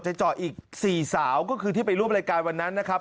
เจาะอีก๔สาวก็คือที่ไปร่วมรายการวันนั้นนะครับ